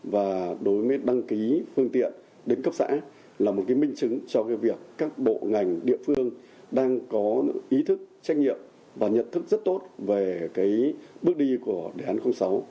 và đối với đăng ký phương tiện đến cấp xã là một cái minh chứng cho cái việc các bộ ngành địa phương đang có ý thức trách nhiệm và nhận thức rất tốt về cái bước đi của đề án sáu